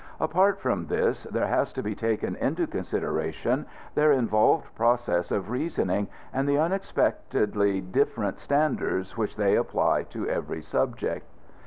Apart from this, there has to be taken into consideration their involved process of reasoning, and the unexpectedly different standards which they apply to every subject.